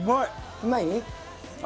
うまい？